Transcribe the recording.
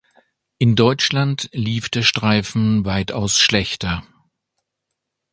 In Deutschland lief der Streifen weitaus schlechter.